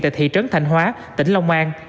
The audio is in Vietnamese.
tại thị trấn thành hóa tỉnh long an